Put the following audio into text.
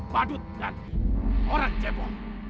badut dan orang cebo